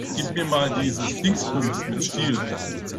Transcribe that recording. Gib mir mal dieses Dingsbums mit Stiel.